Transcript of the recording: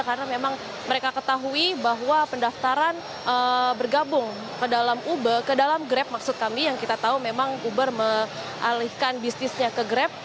karena memang mereka ketahui bahwa pendaftaran bergabung ke dalam uber ke dalam grab maksud kami yang kita tahu memang uber menalihkan bisnisnya ke grab